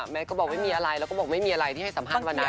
แมทก็บอกว่าไม่มีอะไรเราก็บอกว่าไม่มีอะไรที่ให้สัมภาษณ์วันนั้นน่ะ